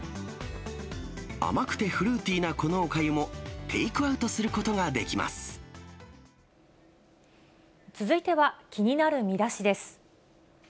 甘くてフルーティーなこのおかゆも、テイクアウトすることができ続いては気になるミダシです。